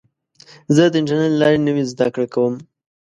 زه د انټرنیټ له لارې نوې زده کړه کوم.